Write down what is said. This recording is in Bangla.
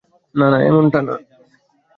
না, না, এমনটা না।